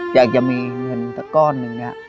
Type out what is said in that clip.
อยากจะมีเงินสักก้อนหนึ่งเนี่ย